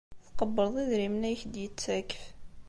Tqebbleḍ idrimen ay ak-d-yettakf.